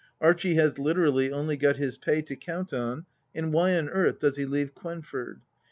Archie has literally only got his pay to count on, and why on earth does he leave Quenford